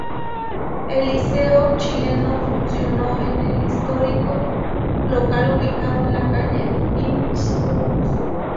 El Liceo chileno funcionó en el histórico local ubicado en la Calle Billinghurst.